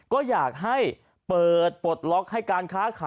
ก็อยากให้เปิดปลดล็อกให้การค้าขาย